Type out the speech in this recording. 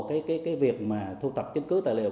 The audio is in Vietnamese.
cái việc mà thu thập chứng cứ tài liệu